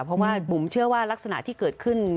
เพราะว่าบุ๋มเชื่อว่ารักษณะที่เกิดขึ้น